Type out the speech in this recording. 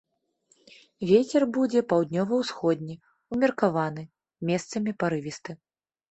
Вецер будзе паўднёва-ўсходні ўмеркаваны, месцамі парывісты.